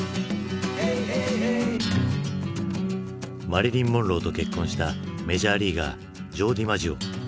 マリリン・モンローと結婚したメジャーリーガージョー・ディマジオ。